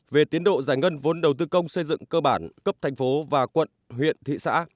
về tiến độ giải ngân vốn đầu tư công xây dựng cơ bản cấp thành phố và quận huyện thị xã